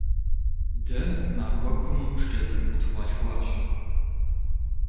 Дэ махуэкум шкӀэ цӀыкӀу къытхуалъхуащ.